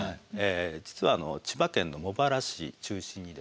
実は千葉県の茂原市中心にですね